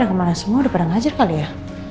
udah sampe kemana semua udah pada ngajar kali ya